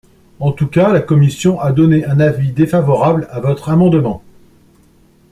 En tout cas, la commission a donné un avis défavorable à votre amendement.